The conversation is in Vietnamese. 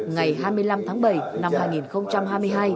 ngày hai mươi năm tháng bảy năm hai nghìn hai mươi hai